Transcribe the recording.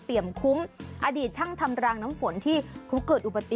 เปรียบขุมอดีตช่างทำดลางน้ำฝนที่เกิดอุปติเหตุครั้งใหญ่